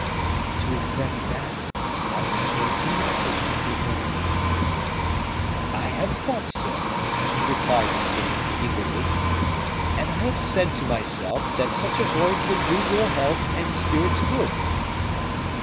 "To effect that I must go to London, my dear brother." "I have thought so," replied the king, eagerly; "and I have said to myself that such a voyage would do your health and spirits good."